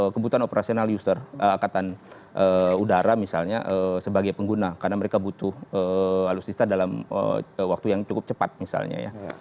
kebutuhan operasional user angkatan udara misalnya sebagai pengguna karena mereka butuh alutsista dalam waktu yang cukup cepat misalnya ya